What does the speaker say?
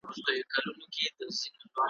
هغه ښکلي الفاظ او کلمات چي ,